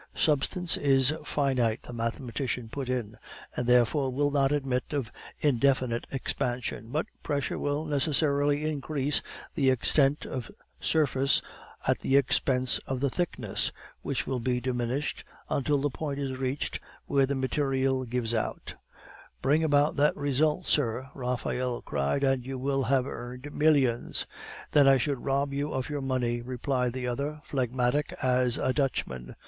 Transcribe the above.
"Substance is finite," the mathematician put in, "and therefore will not admit of indefinite expansion, but pressure will necessarily increase the extent of surface at the expense of the thickness, which will be diminished until the point is reached when the material gives out " "Bring about that result, sir," Raphael cried, "and you will have earned millions." "Then I should rob you of your money," replied the other, phlegmatic as a Dutchman.